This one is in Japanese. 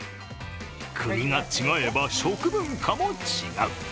国が違えば、食文化も違う。